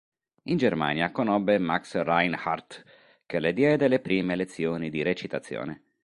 In Germania conobbe Max Reinhardt che le diede le prime lezioni di recitazione.